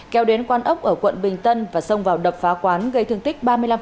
kéo đến quán ốc ở quận bình tân và xông vào đập phá quán gây thương tích ba mươi năm